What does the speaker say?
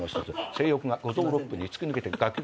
性欲が五臓六腑に突き抜けて。